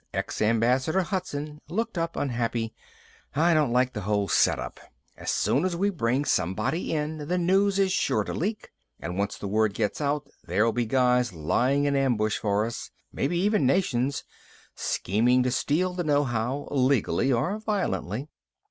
Ex ambassador Hudson looked unhappy. "I don't like the whole setup. As soon as we bring someone in, the news is sure to leak. And once the word gets out, there'll be guys lying in ambush for us maybe even nations scheming to steal the know how, legally or violently.